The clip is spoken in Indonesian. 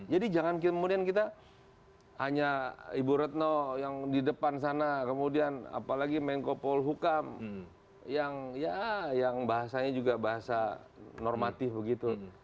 jadi jangan kemudian kita hanya ibu retno yang di depan sana kemudian apalagi menko paul hukam yang bahasanya juga bahasa normatif begitu